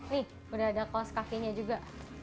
nih udah ada kaos kakinya juga